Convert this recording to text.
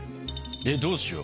えっどうしよう。